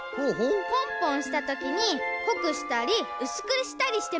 ぽんぽんしたときにこくしたりうすくしたりしてみたよ。